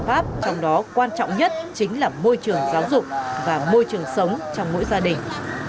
giải pháp trong đó quan trọng nhất chính là môi trường giáo dục và môi trường sống trong mỗi gia đình